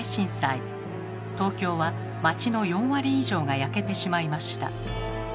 東京は町の４割以上が焼けてしまいました。